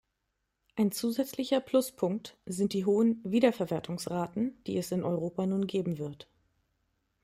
Ein zusätzlicher Pluspunkt sind die hohen Wiederverwertungsraten, die es in Europa nun geben wird.